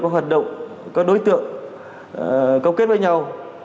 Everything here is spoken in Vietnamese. các hoạt động các đối tượng cộng kết với nhau